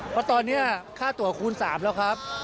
เพราะตอนนี้ค่าตัวคูณ๓แล้วครับ